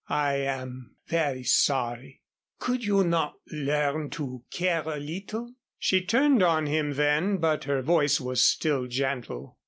I am very sorry." "Could you not learn to care a little?" She turned on him then, but her voice was still gentle.